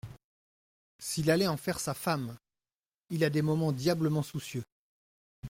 S'il allait en faire sa femme ! Il a des moments diablement soucieux.